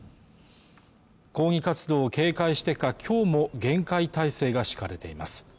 抗議活動を警戒してかきょうも厳戒態勢が敷かれています